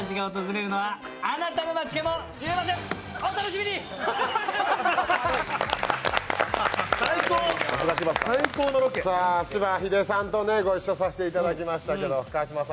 しばひでさんとご一緒させていただきましたけど。